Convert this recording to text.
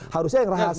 harusnya yang rahasia